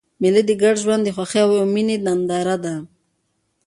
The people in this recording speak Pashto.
مېلې د ګډ ژوند د خوښۍ او میني ننداره ده.